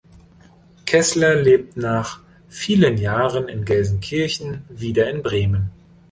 Keßler lebt nach vielen Jahren in Gelsenkirchen wieder in Bremen.